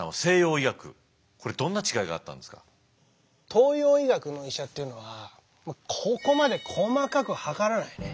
東洋医学の医者っていうのはここまで細かく量らないね。